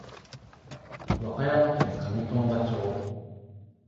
和歌山県上富田町